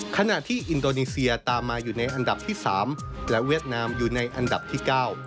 ขณะที่อินโดนีเซียตามมาอยู่ในอันดับที่๓และเวียดนามอยู่ในอันดับที่๙